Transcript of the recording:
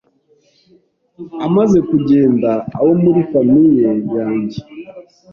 amaze kugenda, abo muri famille yanjye